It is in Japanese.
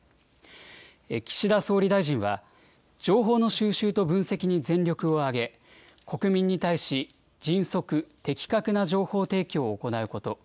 岸田総理大臣は、情報の収集と分析に全力を挙げ、国民に対し、迅速、的確な情報提供を行うこと。